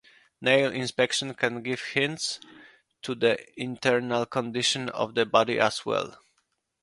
Nail inspection can give hints to the internal condition of the body as well.